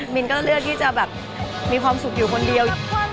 มินก็เลือกที่จะแบบมีความสุขอยู่คนเดียว